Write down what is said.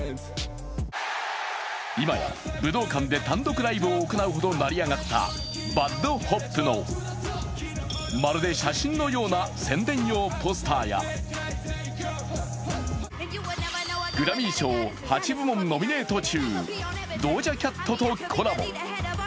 今や武道館で単独ライブを行うほど成り上がったＢＡＤＨＯＰのまるで写真のような宣伝用ポスターやグラミー賞８部門ノミネート中、ドージャ・キャットとコラボ。